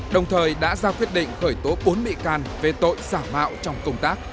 đồng thời đã ra quyết định khởi tố bốn bị can về tội giả mạo trong công tác